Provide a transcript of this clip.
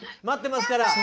待ってますから。